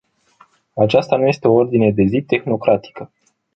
Aceasta nu este o ordine de zi tehnocratică.